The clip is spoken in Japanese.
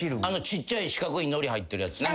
ちっちゃい四角いのり入ってるやつね。